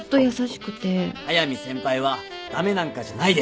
速見先輩は駄目なんかじゃないです！